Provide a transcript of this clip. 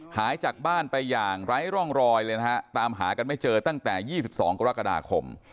หายจากบ้านไปอย่างไร้ร่องรอยเลยนะฮะตามหากันไม่เจอตั้งแต่๒๒กรกฎาคม